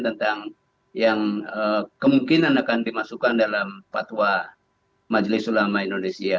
tentang yang kemungkinan akan dimasukkan dalam fatwa majelis ulama indonesia